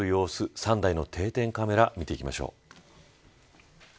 ３台の定点カメラ見ていきましょう。